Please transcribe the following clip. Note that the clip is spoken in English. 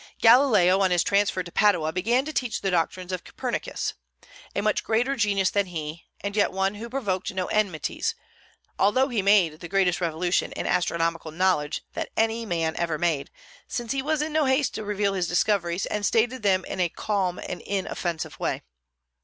Galileo, on his transfer to Padua, began to teach the doctrines of Copernicus, a much greater genius than he, and yet one who provoked no enmities, although he made the greatest revolution in astronomical knowledge that any man ever made, since he was in no haste to reveal his discoveries, and stated them in a calm and inoffensive way.